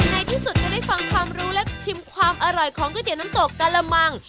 ในที่สุดก็ได้ฟังความรู้และชิมความอร่อยของก๋วยเตี๋ยวน้ำตกกะละมัง